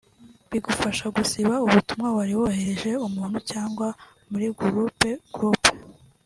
bigufasha gusiba ubutumwa wari woherereje umuntu cyangwa muri gurupe (group)